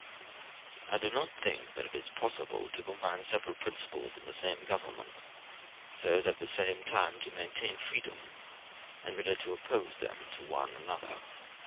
] I do not think that it is possible to combine several principles in the same government, so as at the same time to maintain freedom, and really to oppose them to one another.